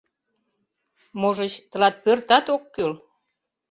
Можыч, тылат пӧртат ок кӱл?